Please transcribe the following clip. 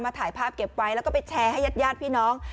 ถ่ายภาพเก็บไว้แล้วก็ไปแชร์ให้ญาติพี่น้อง